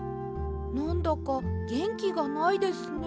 なんだかげんきがないですね。